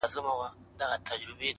د ژوند خوارۍ كي يك تنها پرېږدې.